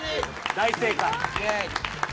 大正解！